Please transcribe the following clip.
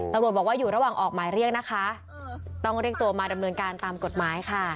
ตำรวจบอกว่าอยู่ระหว่างออกหมายเรียกนะคะต้องเรียกตัวมาดำเนินการตามกฎหมายค่ะ